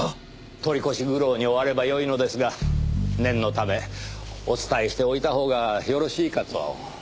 取り越し苦労に終わればよいのですが念のためお伝えしておいたほうがよろしいかと。